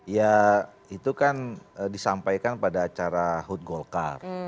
ya itu kan disampaikan pada acara hut golkar